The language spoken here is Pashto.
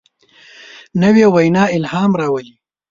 نوې وینا الهام راولي